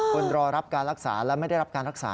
รอรับการรักษาและไม่ได้รับการรักษา